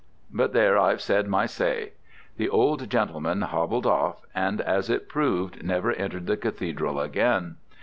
But there, I've said my say." The old gentleman hobbled off, and as it proved, never entered the Cathedral again.